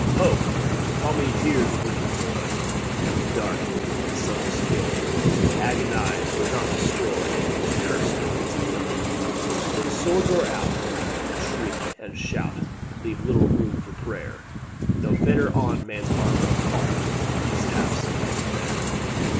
"Ho, call me here the wizard, boy, Of dark and subtle skill, To agonise but not destroy, To curse, but not to kill. When swords are out, and shriek and shout, Leave little room for prayer, No fetter on man's arm or heart Hangs half so heavy there.